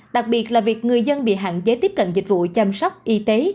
đặc biệt là việc người dân bị hạn chế tiếp cận dịch vụ chăm sóc y tế